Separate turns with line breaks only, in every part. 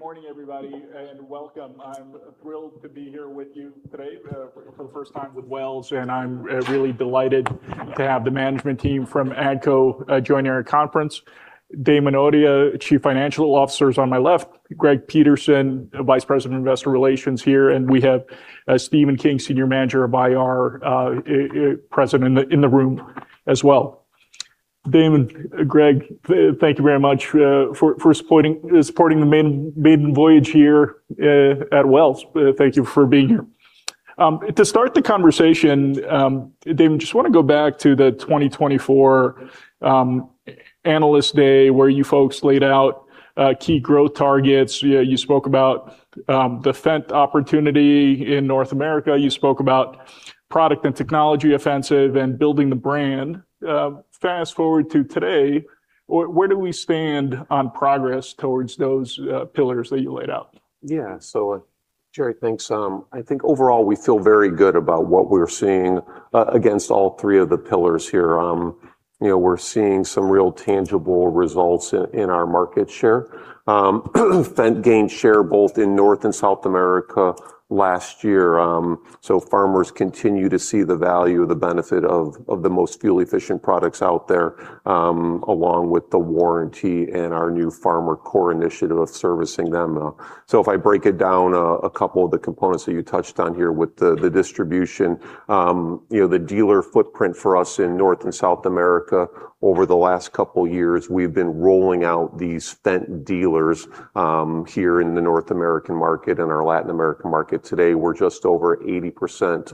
Good morning, everybody, and welcome. I'm thrilled to be here with you today for the first time with Wells, and I'm really delighted to have the management team from AGCO join our conference. Damon Audia, Chief Financial Officer, is on my left, Greg Peterson, Vice President of Investor Relations here, and we have Steven King, Senior Manager of IR, present in the room as well. Damon, Greg, thank you very much for supporting the maiden voyage here at Wells. Thank you for being here. To start the conversation, Damon, just want to go back to the 2024 Analyst Day, where you folks laid out key growth targets. You spoke about the Fendt opportunity in North America. You spoke about product and technology offensive and building the brand. Fast-forward to today, where do we stand on progress towards those pillars that you laid out?
Yeah, Jerry, thanks. I think overall, we feel very good about what we're seeing against all three of the pillars here. We're seeing some real tangible results in our market share. Fendt gained share both in North and South America last year. Farmers continue to see the value, the benefit of the most fuel-efficient products out there, along with the warranty and our new FarmerCore initiative of servicing them. If I break it down, a couple of the components that you touched on here with the distribution. The dealer footprint for us in North and South America over the last couple of years, we've been rolling out these Fendt dealers here in the North American market and our Latin American market. Today, we're just over 80%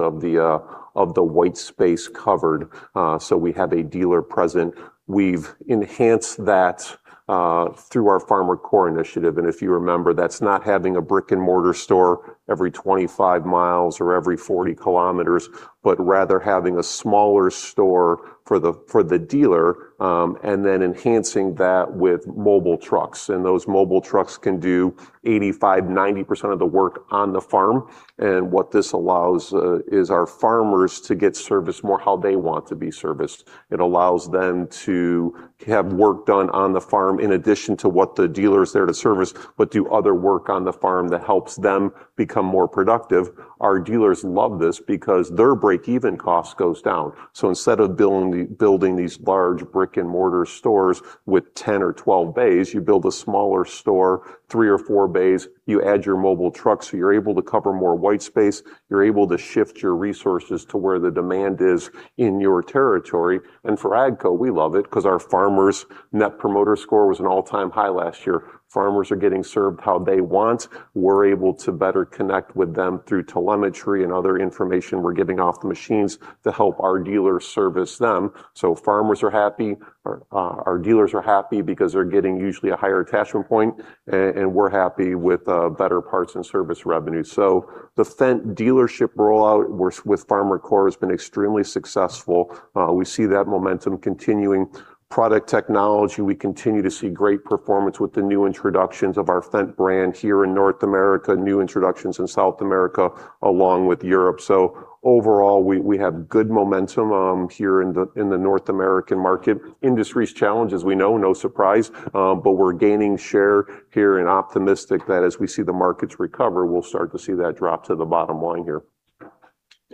of the white space covered. We have a dealer present. We've enhanced that through our FarmerCore initiative. If you remember, that's not having a brick-and-mortar store every 25 mi or every 40 km, but rather having a smaller store for the dealer, and then enhancing that with mobile trucks, and those mobile trucks can do 85%-90% of the work on the farm. What this allows is our farmers to get serviced more how they want to be serviced. It allows them to have work done on the farm in addition to what the dealer's there to service, but do other work on the farm that helps them become more productive. Our dealers love this because their breakeven cost goes down. Instead of building these large brick-and-mortar stores with 10 or 12 bays, you build a smaller store, three or four bays. You add your mobile trucks, you're able to cover more white space. You're able to shift your resources to where the demand is in your territory. For AGCO, we love it because our farmers' Net Promoter Score was an all-time high last year. Farmers are getting served how they want. We're able to better connect with them through telemetry and other information we're getting off the machines to help our dealers service them. Farmers are happy. Our dealers are happy because they're getting usually a higher attachment point, and we're happy with better parts and service revenue. The Fendt dealership rollout with FarmerCore has been extremely successful. We see that momentum continuing. Product technology, we continue to see great performance with the new introductions of our Fendt brand here in North America, new introductions in South America, along with Europe. Overall, we have good momentum here in the North American market. Industry's challenged, as we know, no surprise, we're gaining share here and optimistic that as we see the markets recover, we'll start to see that drop to the bottom line here.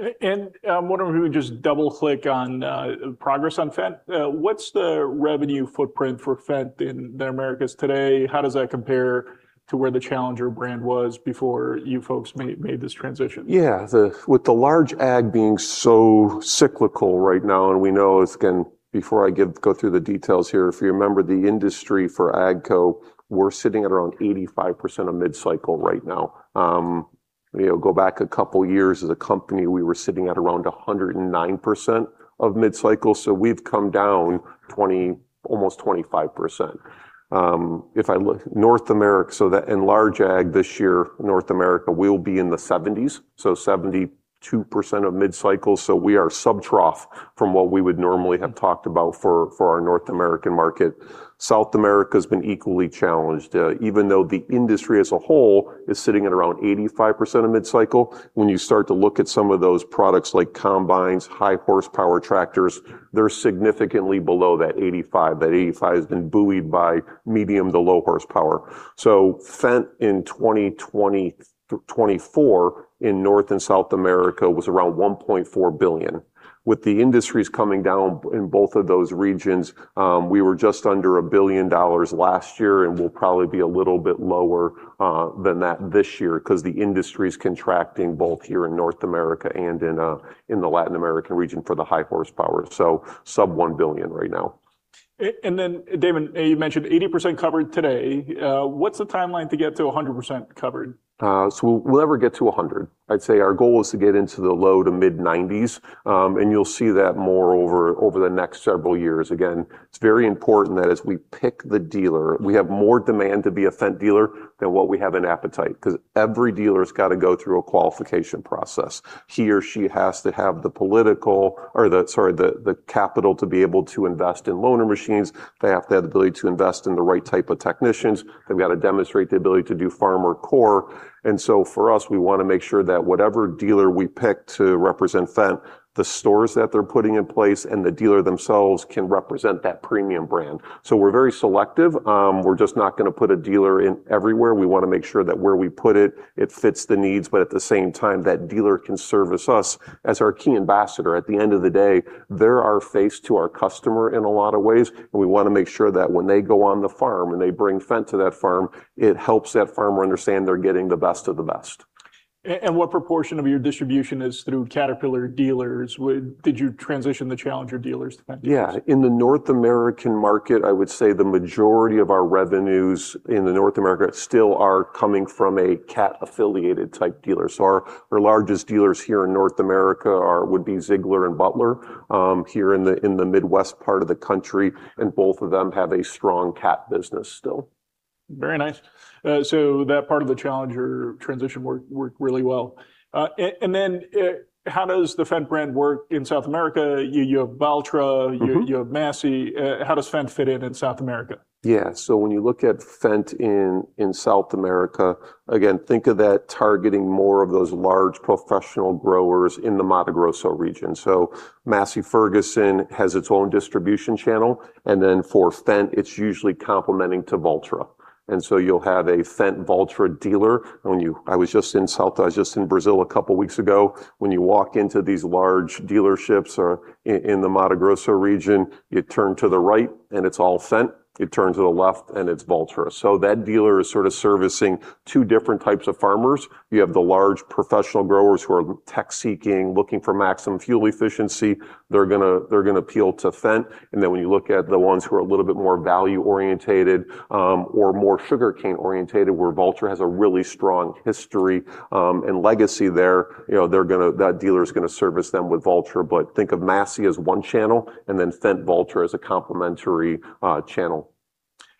I'm wondering if we can just double-click on progress on Fendt. What's the revenue footprint for Fendt in the Americas today? How does that compare to where the Challenger brand was before you folks made this transition?
Yeah. With the large ag being so cyclical right now, before I go through the details here, if you remember the industry for AGCO, we're sitting at around 85% of mid-cycle right now. Go back a couple of years as a company, we were sitting at around 109% of mid-cycle, we've come down 20%, almost 25%. If I look, North America, in large ag this year, North America will be in the 70s, 72% of mid-cycle. We are sub-trough from what we would normally have talked about for our North American market. South America's been equally challenged. Even though the industry as a whole is sitting at around 85% of mid-cycle, when you start to look at some of those products like combines, high-horsepower tractors, they're significantly below that 85%. That 85% has been buoyed by medium to low horsepower. Fendt in 2024 in North and South America was around $1.4 billion. With the industries coming down in both of those regions, we were just under $1 billion last year, and we'll probably be a little bit lower than that this year because the industry's contracting both here in North America and in the Latin American region for the high horsepower. Sub $1 billion right now.
Damon, you mentioned 80% covered today. What's the timeline to get to 100% covered?
We'll never get to 100. I'd say our goal is to get into the low to mid-90s, and you'll see that more over the next several years. Again, it's very important that as we pick the dealer, we have more demand to be a Fendt dealer than what we have in appetite because every dealer's got to go through a qualification process. He or she has to have the capital to be able to invest in loaner machines. They have to have the ability to invest in the right type of technicians. They've got to demonstrate the ability to do FarmerCore. For us, we want to make sure that whatever dealer we pick to represent Fendt, the stores that they're putting in place, and the dealer themselves can represent that premium brand. We're very selective. We're just not going to put a dealer in everywhere. We want to make sure that where we put it fits the needs, but at the same time, that dealer can service us as our key ambassador. At the end of the day, they're our face to our customer in a lot of ways, and we want to make sure that when they go on the farm, and they bring Fendt to that farm, it helps that farmer understand they're getting the best of the best.
What proportion of your distribution is through Caterpillar dealers? Did you transition the Challenger dealers to that?
Yeah. In the North American market, I would say the majority of our revenues in North America still are coming from a Cat-affiliated type dealer. Our largest dealers here in North America would be Ziegler and Butler, here in the Midwest part of the country, both of them have a strong Cat business still.
Very nice. That part of the Challenger transition worked really well. How does the Fendt brand work in South America? You have Valtra. You have Massey. How does Fendt fit in in South America?
Yeah. When you look at Fendt in South America, again, think of that targeting more of those large professional growers in the Mato Grosso region. Massey Ferguson has its own distribution channel. For Fendt, it's usually complementing to Valtra. You'll have a Fendt Valtra dealer. I was just in Brazil a couple of weeks ago. When you walk into these large dealerships in the Mato Grosso region, you turn to the right and it's all Fendt, you turn to the left and it's Valtra. That dealer is sort of servicing two different types of farmers. You have the large professional growers who are tech-seeking, looking for maximum fuel efficiency. They're going to appeal to Fendt. When you look at the ones who are a little bit more value-orientated, or more sugarcane-orientated, where Valtra has a really strong history and legacy there. That dealer's going to service them with Valtra. Think of Massey as one channel, then Fendt Valtra as a complementary channel.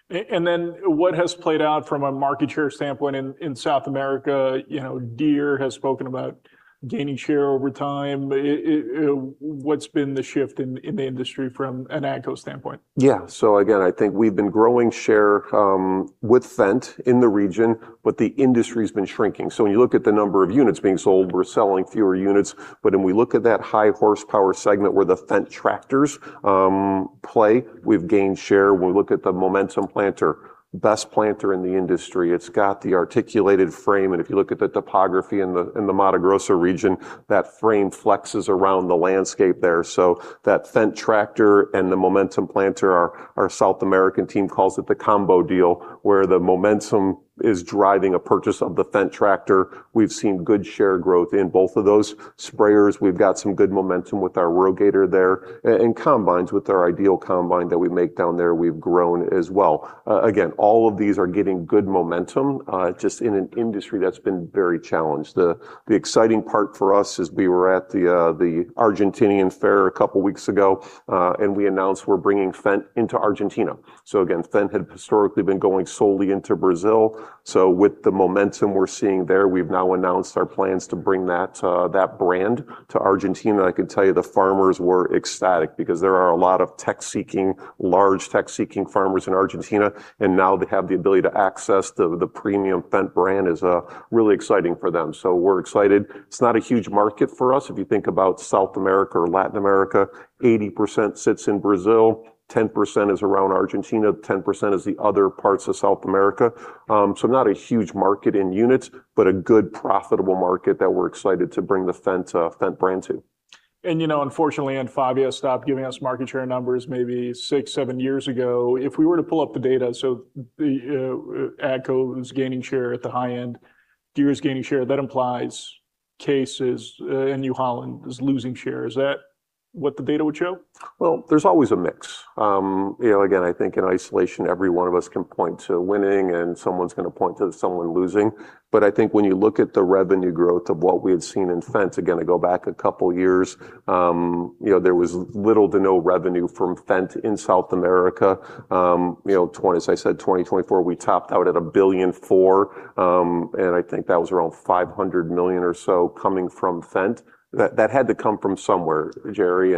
What has played out from a market share standpoint in South America? Deere has spoken about gaining share over time. What's been the shift in the industry from an AGCO standpoint?
Again, I think we've been growing share with Fendt in the region, the industry's been shrinking. When you look at the number of units being sold, we're selling fewer units. When we look at that high-horsepower segment where the Fendt tractors play, we've gained share. We look at the Momentum planter, best planter in the industry. It's got the articulated frame, and if you look at the topography in the Mato Grosso region, that frame flexes around the landscape there. That Fendt tractor and the Momentum planter, our South American team calls it the combo deal, where the Momentum is driving a purchase of the Fendt tractor. We've seen good share growth in both of those sprayers. We've got some good momentum with our RoGator there. Combines with our IDEAL combine that we make down there, we've grown as well. Again, all of these are getting good momentum, just in an industry that's been very challenged. The exciting part for us is we were at the Argentinian fair a couple of weeks ago, we announced we're bringing Fendt into Argentina. Again, Fendt had historically been going solely into Brazil. With the momentum we're seeing there, we've now announced our plans to bring that brand to Argentina. I can tell you the farmers were ecstatic because there are a lot of tech-seeking, large tech-seeking farmers in Argentina, and now they have the ability to access the premium Fendt brand is really exciting for them. We're excited. It's not a huge market for us. If you think about South America or Latin America, 80% sits in Brazil, 10% is around Argentina, 10% is the other parts of South America. Not a huge market in units, but a good profitable market that we're excited to bring the Fendt brand to.
Unfortunately, Anfavea stopped giving us market share numbers maybe six, seven years ago. If we were to pull up the data, AGCO is gaining share at the high end. Deere is gaining share. That implies Case and New Holland is losing share. Is that what the data would show?
Well, there's always a mix. Again, I think in isolation, every one of us can point to winning and someone's going to point to someone losing. But I think when you look at the revenue growth of what we had seen in Fendt, again, to go back a couple of years, there was little to no revenue from Fendt in South America. As I said, 2024, we topped out at $1.4 billion, and I think that was around $500 million or so coming from Fendt. That had to come from somewhere, Jerry.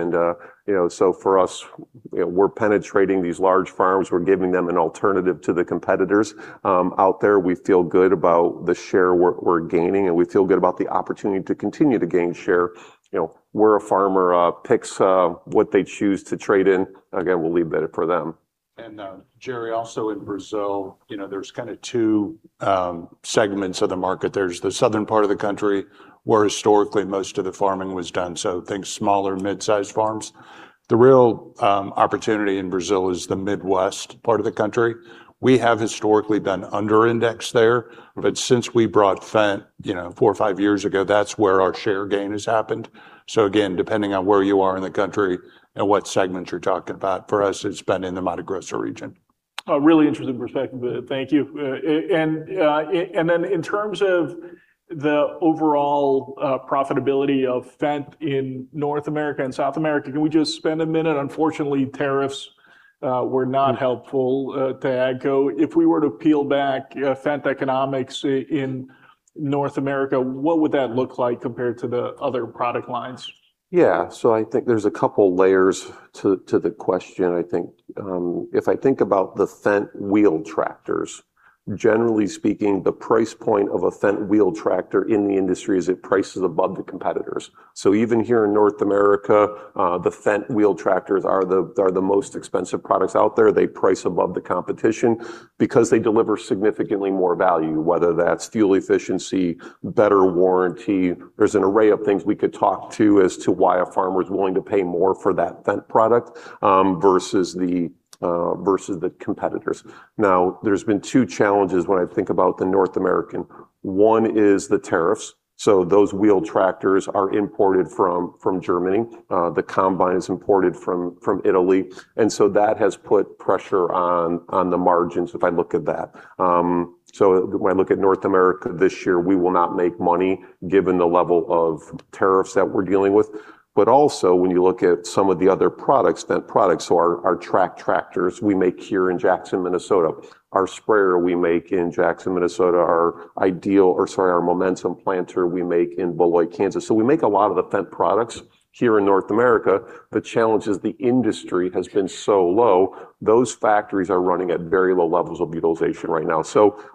For us, we're penetrating these large farms. We're giving them an alternative to the competitors out there. We feel good about the share we're gaining, and we feel good about the opportunity to continue to gain share. Where a farmer picks what they choose to trade in, again, we'll leave that for them.
Jerry, also in Brazil, there's kind of two segments of the market. There's the southern part of the country, where historically most of the farming was done. Think smaller, mid-size farms. The real opportunity in Brazil is the Midwest part of the country. We have historically been under-indexed there. But since we brought Fendt four or five years ago, that's where our share gain has happened. Again, depending on where you are in the country and what segment you're talking about, for us, it's been in the Mato Grosso region.
A really interesting perspective. Thank you. In terms of the overall profitability of Fendt in North America and South America, can we just spend a minute? Unfortunately, tariffs were not helpful to AGCO. If we were to peel back Fendt economics in North America, what would that look like compared to the other product lines?
I think there's a couple of layers to the question. If I think about the Fendt wheel tractors, generally speaking, the price point of a Fendt wheel tractor in the industry is it prices above the competitors. Even here in North America, the Fendt wheel tractors are the most expensive products out there. They price above the competition because they deliver significantly more value, whether that's fuel efficiency, better warranty. There's an array of things we could talk to as to why a farmer's willing to pay more for that Fendt product versus the competitors. Now, there's been two challenges when I think about the North American. One is the tariffs. Those wheel tractors are imported from Germany. The combine's imported from Italy, that has put pressure on the margins if I look at that. When I look at North America this year, we will not make money given the level of tariffs that we're dealing with. When you look at some of the other products, Fendt products, our track tractors we make here in Jackson, Minnesota. Our sprayer we make in Jackson, Minnesota. Our Momentum planter we make in Beloit, Kansas. We make a lot of the Fendt products here in North America. The challenge is the industry has been so low, those factories are running at very low levels of utilization right now.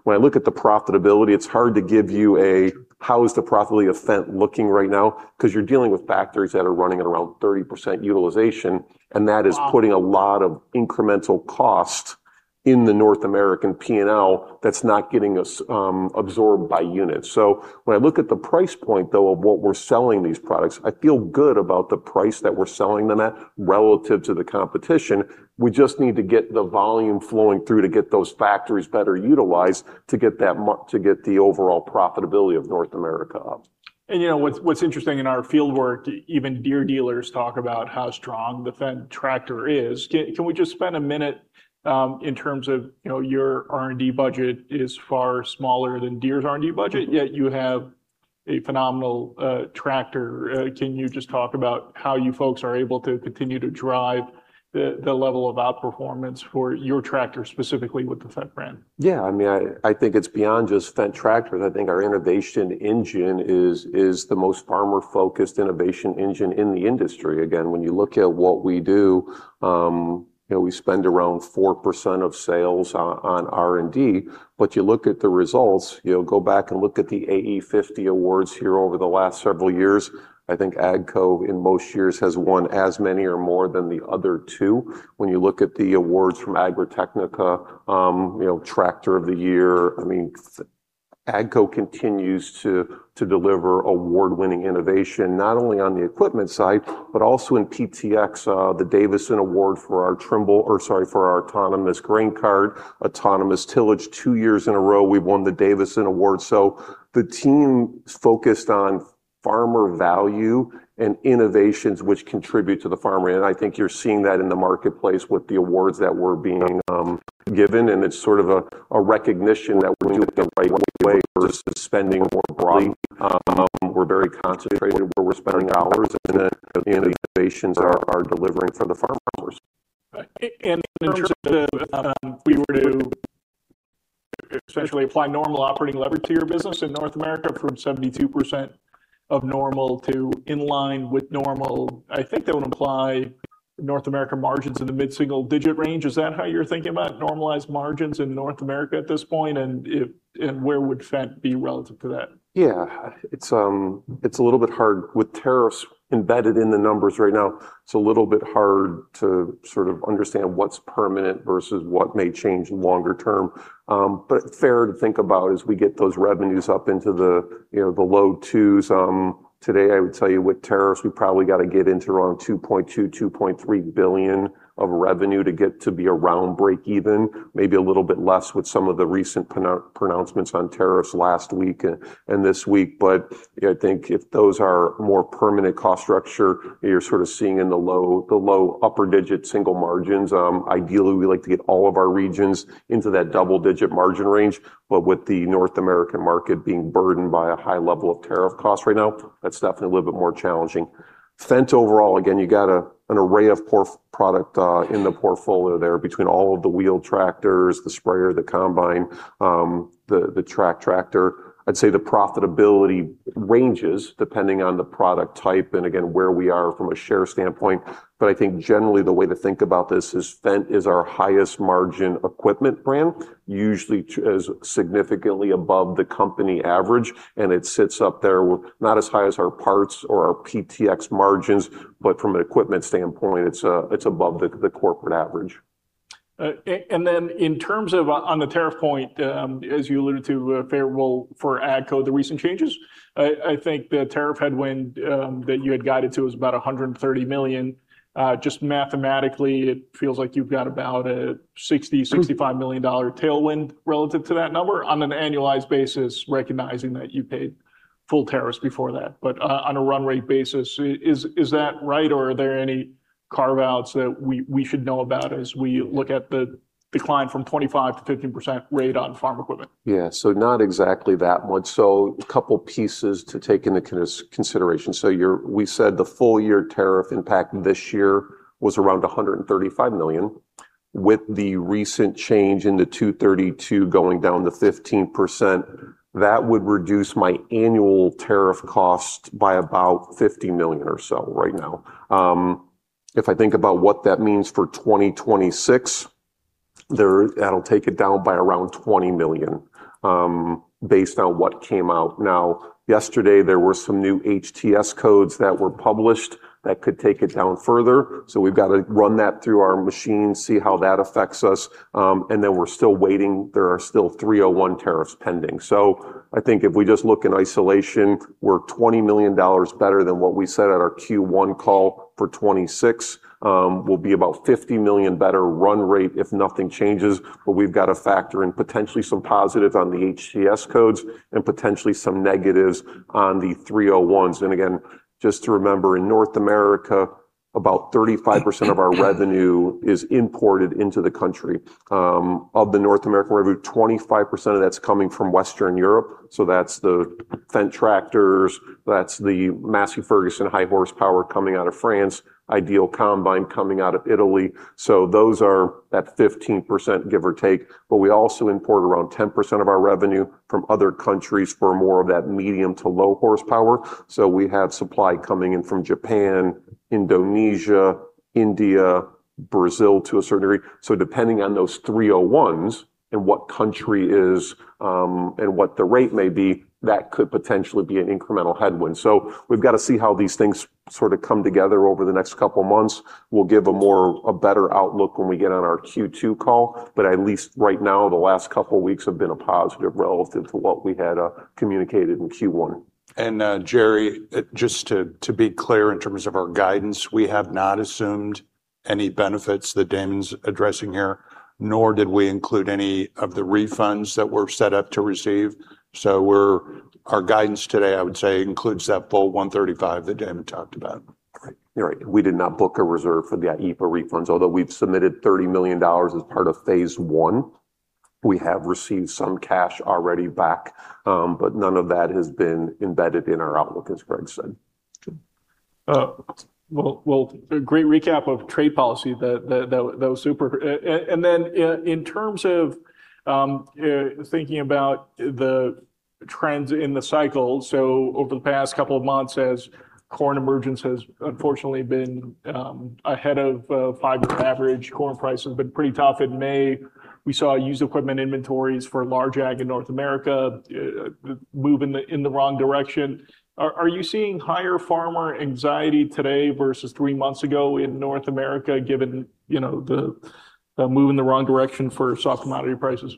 When I look at the profitability, it's hard to give you a how is the profitability of Fendt looking right now, because you're dealing with factories that are running at around 30% utilization.
Wow.
Putting a lot of incremental cost in the North American P&L that's not getting absorbed by units. When I look at the price point, though, of what we're selling these products, I feel good about the price that we're selling them at relative to the competition. We just need to get the volume flowing through to get those factories better utilized to get the overall profitability of North America up.
What's interesting in our fieldwork, even Deere dealers talk about how strong the Fendt tractor is. Can we just spend a minute in terms of your R&D budget is far smaller than Deere's R&D budget, yet you have a phenomenal tractor. Can you just talk about how you folks are able to continue to drive the level of outperformance for your tractor, specifically with the Fendt brand?
Yeah. I think it's beyond just Fendt tractors. I think our innovation engine is the most farmer-focused innovation engine in the industry. Again, when you look at what we do, we spend around 4% of sales on R&D. You look at the results, go back and look at the AE50 awards here over the last several years. I think AGCO in most years has won as many or more than the other two. When you look at the awards from Agritechnica, Tractor of the Year, AGCO continues to deliver award-winning innovation, not only on the equipment side, but also in PTx, the Davidson Prize for our autonomous grain cart, autonomous tillage. Two years in a row, we've won the Davidson Prize. The team is focused on farmer value and innovations which contribute to the farmer. I think you're seeing that in the marketplace with the awards that we're being given, and it's sort of a recognition that we're doing the right way versus spending more broadly. We're very concentrated where we're spending dollars in it, and the innovations are delivering for the farmers.
Right. In terms of if we were to essentially apply normal operating leverage to your business in North America from 72% of normal to in line with normal, I think that would imply North America margins in the mid-single-digit range. Is that how you're thinking about normalized margins in North America at this point? Where would Fendt be relative to that?
Yeah. It's a little bit hard with tariffs embedded in the numbers right now. It's a little bit hard to sort of understand what's permanent versus what may change longer term. Fair to think about as we get those revenues up into the low twos. Today, I would tell you with tariffs, we probably got to get into around $2.2 billion-$2.3 billion of revenue to get to be around breakeven, maybe a little bit less with some of the recent pronouncements on tariffs last week and this week. I think if those are more permanent cost structure, you're sort of seeing in the low upper digit single margins. Ideally, we like to get all of our regions into that double-digit margin range. With the North American market being burdened by a high level of tariff costs right now, that's definitely a little bit more challenging. Fendt overall, again, you got an array of product in the portfolio there between all of the wheel tractors, the sprayer, the combine, the track tractor. I'd say the profitability ranges depending on the product type and again, where we are from a share standpoint. I think generally the way to think about this is Fendt is our highest margin equipment brand, usually significantly above the company average, and it sits up there not as high as our parts or our PTx margins, but from an equipment standpoint, it's above the corporate average.
In terms of on the tariff point, as you alluded to, favorable for AGCO, the recent changes, I think the tariff headwind that you had guided to was about $130 million. Just mathematically, it feels like you've got about a $60 million-$65 million tailwind relative to that number on an annualized basis, recognizing that you paid full tariffs before that. On a run rate basis, is that right, or are there any carve-outs that we should know about as we look at the decline from 25% to 15% rate on farm equipment?
Yeah. Not exactly that much. A couple pieces to take into consideration. We said the full year tariff impact this year was around $135 million. With the recent change in the 232 going down to 15%, that would reduce my annual tariff cost by about $50 million or so right now. If I think about what that means for 2026, that'll take it down by around $20 million, based on what came out. Yesterday, there were some new HTS codes that were published that could take it down further. We've got to run that through our machines, see how that affects us. We're still waiting. There are still 301 tariffs pending. I think if we just look in isolation, we're $20 million better than what we said at our Q1 call. For 2026, we'll be about $50 million better run rate if nothing changes. We've got to factor in potentially some positives on the HTS codes and potentially some negatives on the Section 301s. Again, just to remember, in North America, about 35% of our revenue is imported into the country. Of the North American revenue, 25% of that's coming from Western Europe. That's the Fendt tractors, that's the Massey Ferguson high horsepower coming out of France, IDEAL combine coming out of Italy. Those are at 15%, give or take. We also import around 10% of our revenue from other countries for more of that medium to low horsepower. We have supply coming in from Japan, Indonesia, India, Brazil to a certain degree. Depending on those Section 301s and what the rate may be, that could potentially be an incremental headwind. We've got to see how these things sort of come together over the next couple of months. We'll give a better outlook when we get on our Q2 call. At least right now, the last couple of weeks have been a positive relative to what we had communicated in Q1.
Jerry, just to be clear in terms of our guidance, we have not assumed any benefits that Damon's addressing here, nor did we include any of the refunds that we're set up to receive. Our guidance today, I would say, includes that full $135 million that Damon talked about.
Right. We did not book a reserve for the IEEPA refunds, although we've submitted $30 million as part of phase one. We have received some cash already back, but none of that has been embedded in our outlook, as Greg said.
Good.
Great recap of trade policy. That was super. In terms of thinking about the trends in the cycle, over the past couple of months, as corn emergence has unfortunately been ahead of five-year average. Corn prices have been pretty tough in May. We saw used equipment inventories for large ag in North America move in the wrong direction. Are you seeing higher farmer anxiety today versus three months ago in North America, given the move in the wrong direction for soft commodity prices?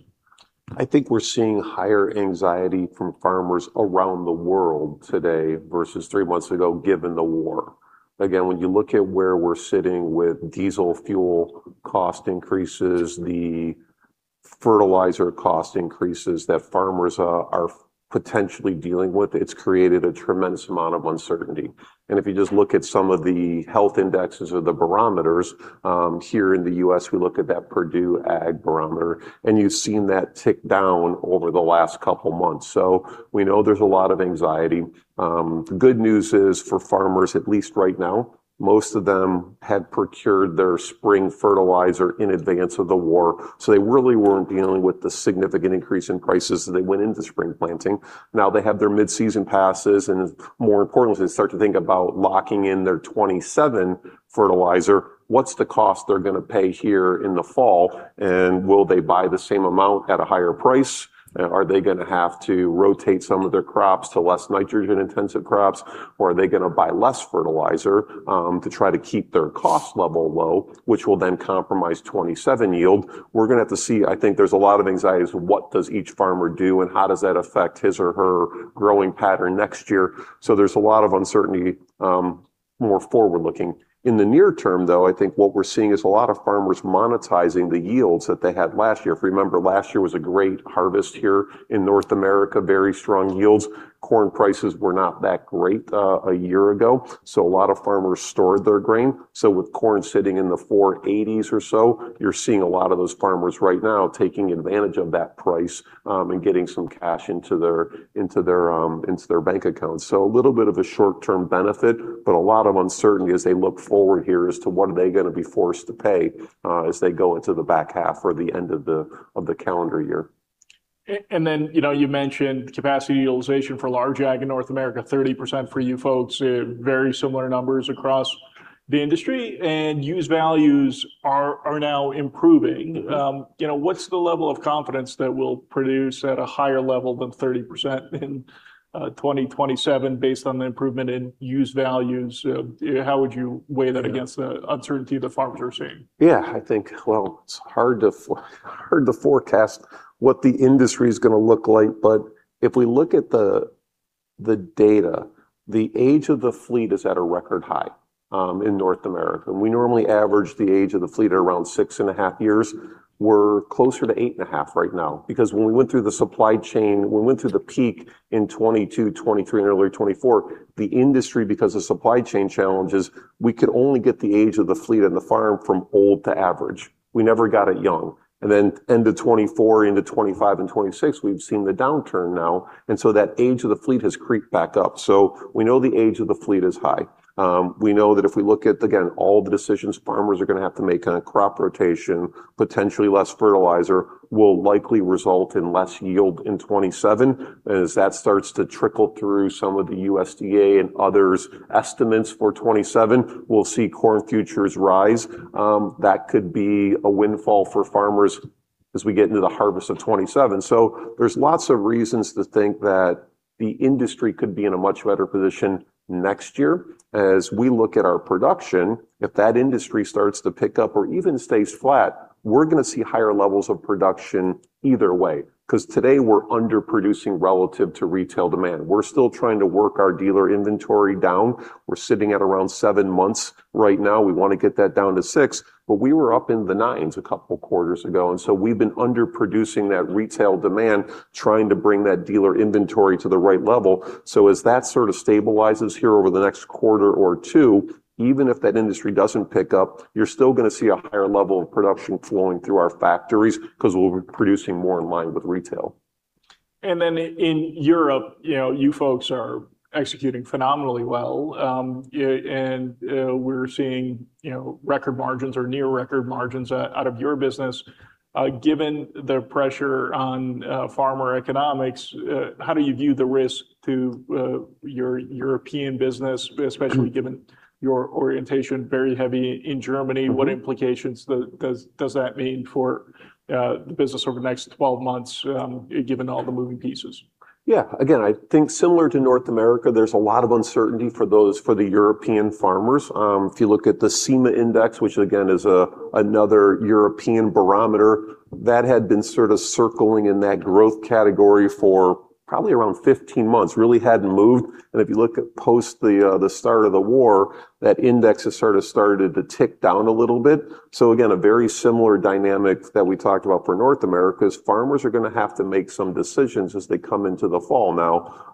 I think we're seeing higher anxiety from farmers around the world today versus three months ago, given the war. When you look at where we're sitting with diesel fuel cost increases, the fertilizer cost increases that farmers are potentially dealing with, it's created a tremendous amount of uncertainty. If you just look at some of the health indexes or the barometers, here in the U.S., we look at that Purdue Ag Barometer, and you've seen that tick down over the last couple of months. We know there's a lot of anxiety. Good news is, for farmers, at least right now, most of them had procured their spring fertilizer in advance of the war. They really weren't dealing with the significant increase in prices as they went into spring planting. They have their mid-season passes, and more importantly, as they start to think about locking in their 2027 fertilizer, what's the cost they're going to pay here in the fall, and will they buy the same amount at a higher price? Are they going to have to rotate some of their crops to less nitrogen-intensive crops, or are they going to buy less fertilizer to try to keep their cost level low, which will then compromise 2027 yield? We're going to have to see. I think there's a lot of anxieties with what does each farmer do and how does that affect his or her growing pattern next year. There's a lot of uncertainty more forward-looking. In the near term, though, I think what we're seeing is a lot of farmers monetizing the yields that they had last year. If you remember, last year was a great harvest here in North America. Very strong yields. Corn prices were not that great a year ago, a lot of farmers stored their grain. With corn sitting in the $4.80s or so, you're seeing a lot of those farmers right now taking advantage of that price and getting some cash into their bank accounts. A little bit of a short-term benefit, but a lot of uncertainty as they look forward here as to what are they going to be forced to pay as they go into the back half or the end of the calendar year.
You mentioned capacity utilization for large ag in North America, 30% for you folks. Very similar numbers across the industry. Used values are now improving. What's the level of confidence that we'll produce at a higher level than 30% in 2027 based on the improvement in used values? How would you weigh that against the uncertainty that farmers are seeing?
Yeah. I think, well, it's hard to forecast what the industry's going to look like. If we look at the data, the age of the fleet is at a record high in North America. We normally average the age of the fleet at around six and a half years. We're closer to eight and a half right now because when we went through the supply chain, we went through the peak in 2022, 2023, and early 2024. The industry, because of supply chain challenges, we could only get the age of the fleet and the farm from old to average. We never got it young. End of 2024 into 2025 and 2026, we've seen the downturn now. That age of the fleet has creaked back up. We know the age of the fleet is high. We know that if we look at, again, all the decisions farmers are going to have to make on crop rotation, potentially less fertilizer will likely result in less yield in 2027. As that starts to trickle through some of the USDA and others' estimates for 2027, we'll see corn futures rise. That could be a windfall for farmers as we get into the harvest of 2027. There's lots of reasons to think that the industry could be in a much better position next year. As we look at our production, if that industry starts to pick up or even stays flat, we're going to see higher levels of production either way. Because today we're underproducing relative to retail demand. We're still trying to work our dealer inventory down. We're sitting at around seven months right now. We want to get that down to six. We were up in the nines a couple of quarters ago, we've been underproducing that retail demand, trying to bring that dealer inventory to the right level. As that sort of stabilizes here over the next quarter or two, even if that industry doesn't pick up, you're still going to see a higher level of production flowing through our factories because we'll be producing more in line with retail.
In Europe, you folks are executing phenomenally well. We're seeing record margins or near record margins out of your business. Given the pressure on farmer economics, how do you view the risk to your European business, especially given your orientation very heavy in Germany? What implications does that mean for the business over the next 12 months, given all the moving pieces?
I think similar to North America, there's a lot of uncertainty for the European farmers. If you look at the CEMA index, which again is another European barometer, that had been sort of circling in that growth category for probably around 15 months. Really hadn't moved. If you look at post the start of the war, that index has sort of started to tick down a little bit. Again, a very similar dynamic that we talked about for North America, is farmers are going to have to make some decisions as they come into the fall.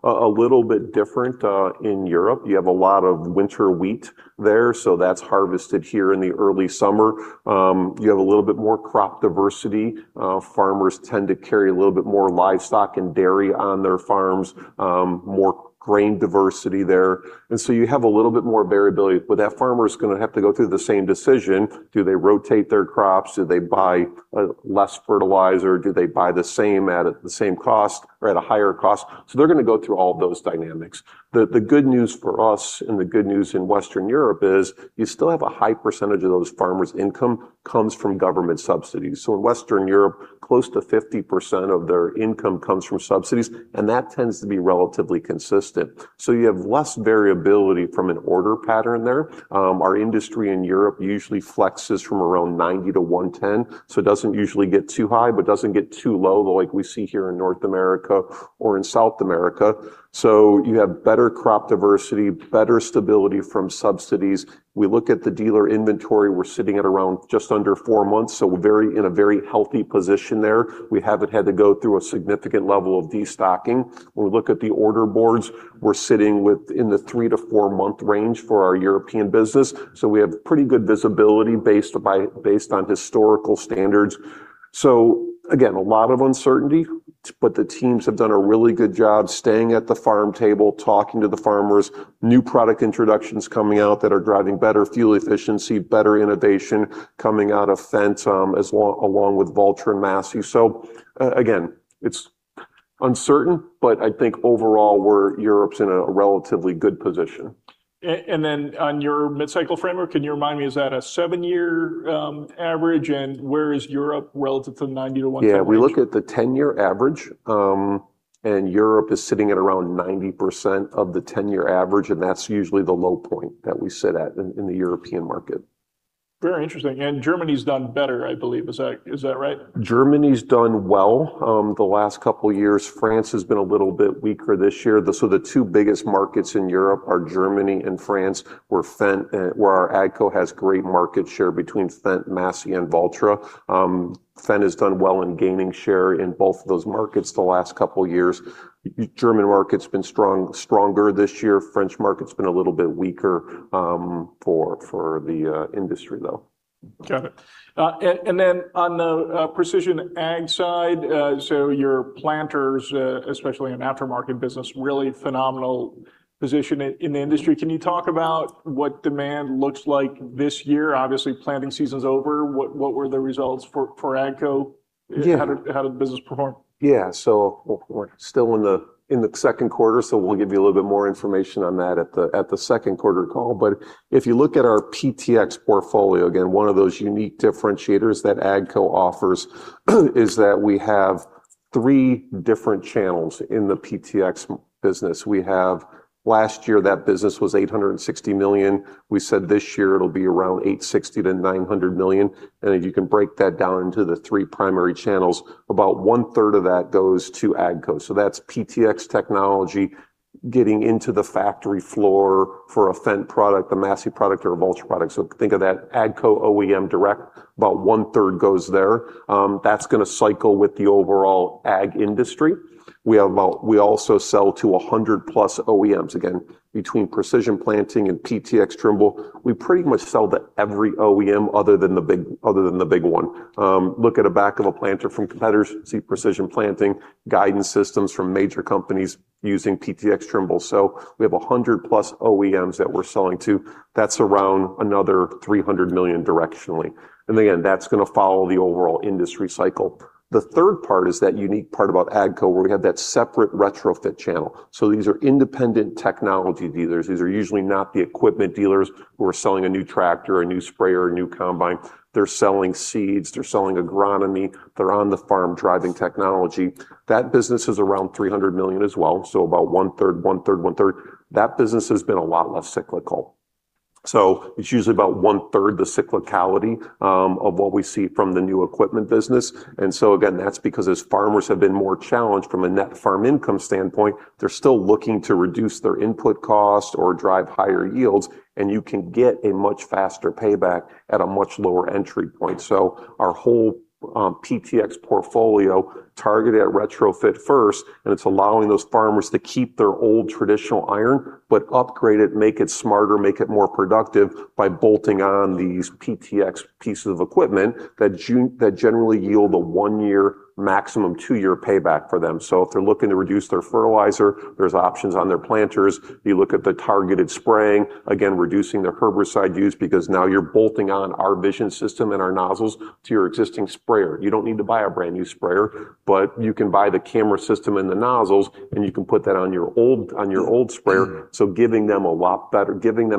A little bit different, in Europe, you have a lot of winter wheat there, so that's harvested here in the early summer. You have a little bit more crop diversity. Farmers tend to carry a little bit more livestock and dairy on their farms. More grain diversity there. You have a little bit more variability, but that farmer's going to have to go through the same decision. Do they rotate their crops? Do they buy less fertilizer? Do they buy the same at the same cost or at a higher cost? They're going to go through all of those dynamics. The good news for us and the good news in Western Europe is you still have a high percentage of those farmers' income comes from government subsidies. In Western Europe, close to 50% of their income comes from subsidies, and that tends to be relatively consistent. You have less variability from an order pattern there. Our industry in Europe usually flexes from around 90-110, so it doesn't usually get too high, but doesn't get too low like we see here in North America or in South America. You have better crop diversity, better stability from subsidies. We look at the dealer inventory, we're sitting at around just under four months, in a very healthy position there. We haven't had to go through a significant level of destocking. When we look at the order boards, we're sitting within the three- to four-month range for our European business. We have pretty good visibility based on historical standards. Again, a lot of uncertainty, but the teams have done a really good job staying at the farm table, talking to the farmers. New product introductions coming out that are driving better fuel efficiency, better innovation coming out of Fendt, along with Valtra and Massey. Again, it's uncertain, but I think overall Europe's in a relatively good position.
On your mid-cycle framework, can you remind me, is that a seven-year average? Where is Europe relative to the 90-110 range?
Yeah. We look at the 10-year average. Europe is sitting at around 90% of the 10-year average, that's usually the low point that we sit at in the European market.
Very interesting. Germany's done better, I believe. Is that right?
Germany's done well, the last couple of years. France has been a little bit weaker this year. The two biggest markets in Europe are Germany and France, where our AGCO has great market share between Fendt, Massey, and Valtra. Fendt has done well in gaining share in both of those markets the last couple of years. German market's been stronger this year. French market's been a little bit weaker, for the industry, though.
Got it. Then on the precision ag side, so your planters, especially in aftermarket business, really phenomenal position in the industry. Can you talk about what demand looks like this year? Obviously, planting season's over. What were the results for AGCO?
Yeah.
How did the business perform?
We're still in the second quarter, we'll give you a little bit more information on that at the second quarter call. If you look at our PTx portfolio, again, one of those unique differentiators that AGCO offers is that we have three different channels in the PTx business. Last year, that business was $860 million. We said this year it'll be around $860 million-$900 million. If you can break that down into the three primary channels, about 1/3 of that goes to AGCO. That's PTx technology getting into the factory floor for a Fendt product, a Massey product, or a Valtra product. Think of that AGCO OEM direct, about 1/3 goes there. That's going to cycle with the overall ag industry. We also sell to 100-plus OEMs. Again, between Precision Planting and PTx Trimble, we pretty much sell to every OEM other than the big one. Look at a back of a planter from competitors, see Precision Planting, guidance systems from major companies using PTx Trimble. We have 100-plus OEMs that we're selling to. That's around another $300 million directionally. That's going to follow the overall industry cycle. The third part is that unique part about AGCO, where we have that separate retrofit channel. These are independent technology dealers. These are usually not the equipment dealers who are selling a new tractor, a new sprayer, a new combine. They're selling seeds, they're selling agronomy, they're on the farm driving technology. That business is around $300 million as well. About 1/3, 1/3, 1/3. That business has been a lot less cyclical. It's usually about 1/3 the cyclicality of what we see from the new equipment business. That's because as farmers have been more challenged from a net farm income standpoint, they're still looking to reduce their input costs or drive higher yields, and you can get a much faster payback at a much lower entry point. Our whole PTx portfolio targeted at retrofit first, and it's allowing those farmers to keep their old traditional iron, but upgrade it, make it smarter, make it more productive by bolting on these PTx pieces of equipment that generally yield a one-year, maximum two-year payback for them. If they're looking to reduce their fertilizer, there's options on their planters. If you look at the targeted spraying, again, reducing their herbicide use because now you're bolting on our vision system and our nozzles to your existing sprayer. You don't need to buy a brand-new sprayer, but you can buy the camera system and the nozzles, and you can put that on your old sprayer. Giving them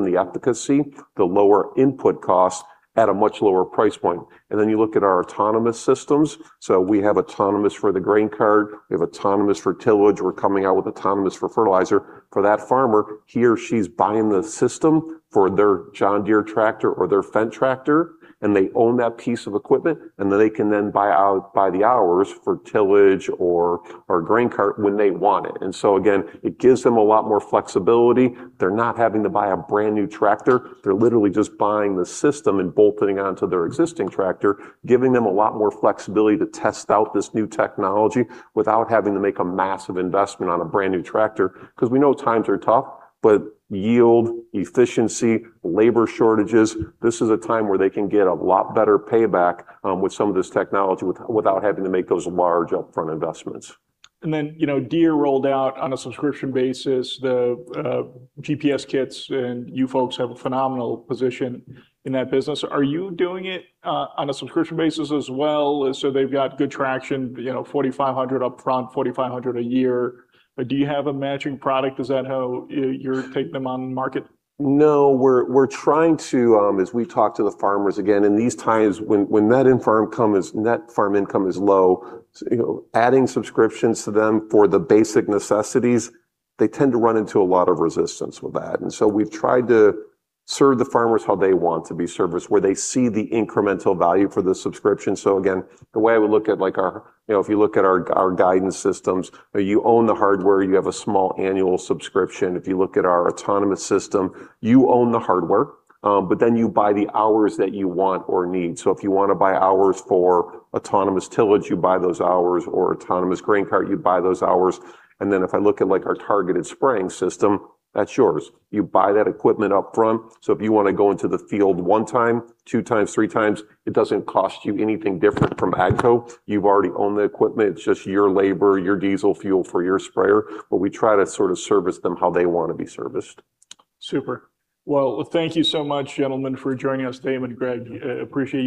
the efficacy, the lower input costs at a much lower price point. You look at our autonomous systems. We have autonomous for the grain cart. We have autonomous for tillage. We're coming out with autonomous for fertilizer. For that farmer, he or she's buying the system for their John Deere tractor or their Fendt tractor, and they own that piece of equipment, and they can then buy the hours for tillage or grain cart when they want it. It gives them a lot more flexibility. They're not having to buy a brand-new tractor. They're literally just buying the system and bolting it onto their existing tractor, giving them a lot more flexibility to test out this new technology without having to make a massive investment on a brand-new tractor. We know times are tough, but yield, efficiency, labor shortages, this is a time where they can get a lot better payback with some of this technology without having to make those large upfront investments.
Deere rolled out on a subscription basis the GPS kits, and you folks have a phenomenal position in that business. Are you doing it on a subscription basis as well? They've got good traction, $4,500 upfront, $4,500 a year. Do you have a matching product? Is that how you're taking them on market?
No, we're trying to, as we've talked to the farmers, again, in these times, when net farm income is low, adding subscriptions to them for the basic necessities, they tend to run into a lot of resistance with that. We've tried to serve the farmers how they want to be serviced, where they see the incremental value for the subscription. Again, the way I would look at our, if you look at our guidance systems, you own the hardware, you have a small annual subscription. If you look at our autonomous system, you own the hardware, you buy the hours that you want or need. If you want to buy hours for autonomous tillage, you buy those hours, or autonomous grain cart, you buy those hours. If I look at our targeted spraying system, that's yours. You buy that equipment upfront. If you want to go into the field one time, two times, three times, it doesn't cost you anything different from AGCO. You already own the equipment. It's just your labor, your diesel fuel for your sprayer, we try to sort of service them how they want to be serviced.
Super. Well, thank you so much, gentlemen, for joining us today. Damon and Greg, appreciate you.